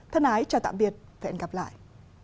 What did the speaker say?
thân ái chào tạm biệt và hẹn gặp lại